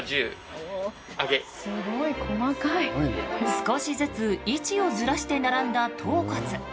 少しずつ位置をずらして並んだ頭骨。